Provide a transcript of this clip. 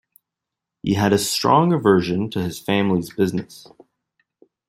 He had a strong aversion to his family's business.